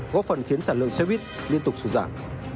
góp phần khiến sản lượng xe buýt liên tục sụt giảm